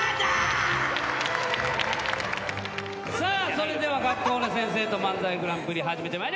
それでは学校の先生と漫才グランプリ始めてまいりましょう！